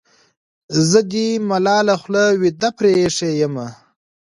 زه دې ملاله خوله وېده پرې اېښې یمه.